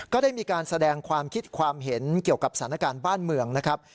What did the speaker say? ก็ได้มีการแสดงความคิดความเห็นเกี่ยวกับสถานการณ์บ้านเมืองนะครับ